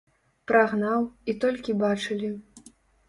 Прагнаў, і толькі бачылі.